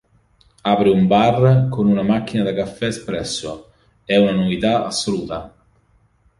Apre un bar, con una macchina da caffè espresso: è una novità assoluta.